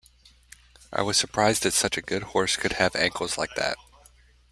I was surprised that such a good horse could have ankles like that.